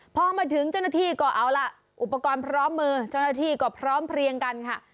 พอมาถึงเจ้าหน้าที่ก็เอาล่ะอุปกรณ์พร้อมมือเจ้าหน้าที่ก็พร้อมเพลียงกันค่ะ